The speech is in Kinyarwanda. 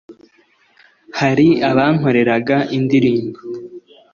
Hari abankoreraga indirimbo,